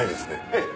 ええ。